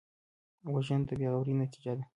وژنه د بېغورۍ نتیجه ده